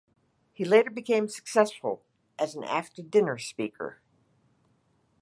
He later became successful as an after-dinner speaker.